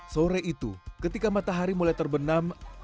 sore itu ketika matahari mulai terbenam